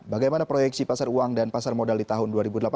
bagaimana proyeksi pasar uang dan pasar modal di tahun dua ribu delapan belas